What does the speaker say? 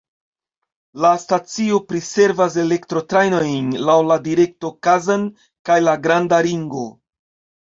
La stacio priservas elektrotrajnojn laŭ la direkto Kazan kaj la Granda Ringo.